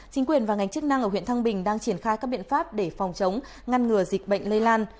chính quyền và ngành chức năng ở huyện thăng bình đang triển khai các biện pháp để phòng chống ngăn ngừa dịch bệnh lây lan